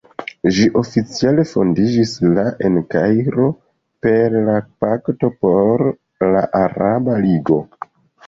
Ĝi oficiale fondiĝis la en Kairo, per la "Pakto por la Araba Ligo".